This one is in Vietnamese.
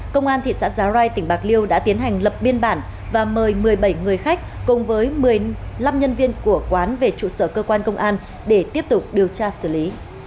công an thị xã giá rai tỉnh bạc liêu đã tiến hành lập biên bản và mời một mươi bảy người khách cùng với một mươi năm nhân viên của quán về trụ sở cơ quan công an để tiếp tục điều tra xử lý